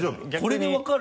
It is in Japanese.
これで分かる？